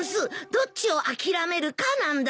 どっちを諦めるかなんだよ。